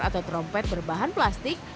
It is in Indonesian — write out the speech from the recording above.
atau trompet berbahan plastik